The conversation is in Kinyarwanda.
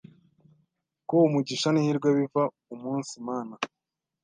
ko umugisha n’ihirwe biva umunsi Mana.